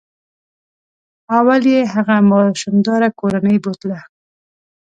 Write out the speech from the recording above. اول یې هغه ماشوم داره کورنۍ بوتله.